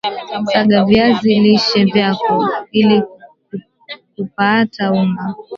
saga viazi lishe vyako ili kupAata unga